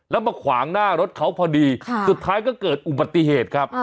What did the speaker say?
แล้วมาขวางหน้ารถเขาพอดีสุดท้ายก็เกิดอุบัติเหตุครับ